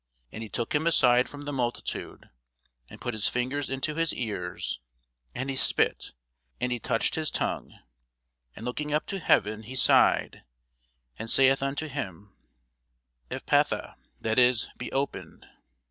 And he took him aside from the multitude, and put his fingers into his ears, and he spit, and touched his tongue; and looking up to heaven, he sighed, and saith unto him, Ephphatha, that is, Be opened.